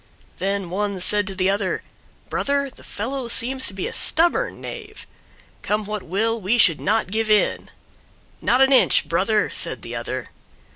Then one said to the other, "Brother, the fellow seems to be a stubborn knave; come what will, we should not give in." "Not an inch, brother," said the other.